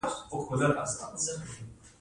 د مراجعینو کارونه ژر خلاصیږي؟